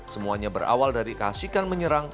semuanya berawal dari keasikan menyerang